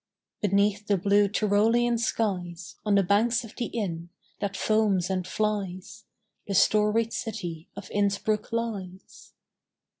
Beneath the blue Tyrolean skies On the banks of the Inn, that foams and flies, The storied city of Innsbruck lies.